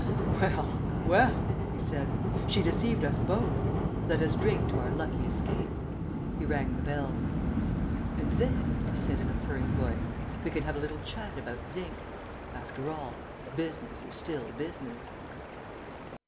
"Well, well," he said; "she deceived us both. Let us drink to our lucky escape." He rang the bell. "And then," he said in a purring voice, "we can have a little talk about zinc. After all, business is still business."